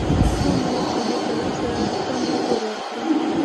ما ملک صاحب ته لس زره افغانۍ پور ورکړې.